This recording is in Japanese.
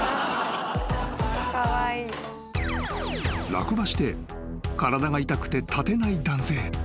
［落馬して体が痛くて立てない男性］